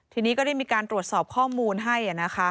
ทีนี้ก็ได้มีการตรวจสอบข้อมูลให้